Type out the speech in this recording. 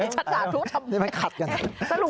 สรุปคุณจะยังไงกันแหละ